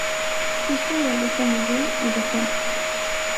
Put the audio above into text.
Hijo de Alejo Miguel y de Juana.